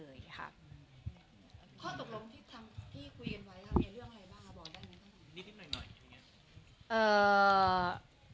ข้อตกลงที่คุยกันไว้ทำให้เรื่องอะไรบ้างบอกได้มั้ย